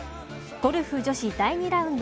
ゴルフ女子第２ラウンド。